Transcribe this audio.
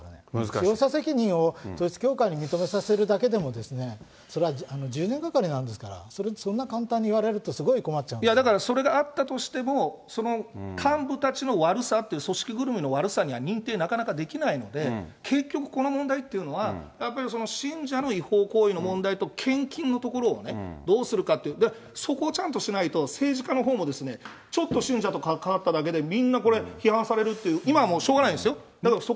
使用者責任を統一教会に認めさせるだけでも、それは１０年がかりなんですから、そんな簡単に言われるとすごい困だから、それがあったとしても、その幹部たちの悪さという、組織ぐるみの悪さには認定なかなかできないので、結局この問題というのは、やっぱり信者の違法行為の問題と、献金のところをどうするかっていう、そこをちゃんとしないと、政治家のほうも、ちょっと信者と関わっただけで、みんなこれ、批判されるっていう、今はもうしょうがないんですよ。